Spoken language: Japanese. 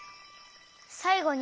さいごに？